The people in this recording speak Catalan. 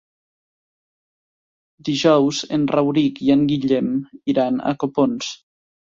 Dijous en Rauric i en Guillem iran a Copons.